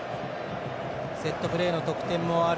セットプレーの得点もある